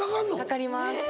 かかります。